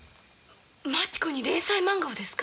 マチ子に連載漫画をですか？